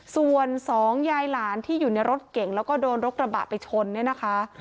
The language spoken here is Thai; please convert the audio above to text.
ส่วนสองยายหลานที่อยู่ในรถเก่งแล้วก็โดนรถกระบะไปชนเนี่ยนะคะ